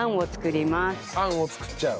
あんを作っちゃう。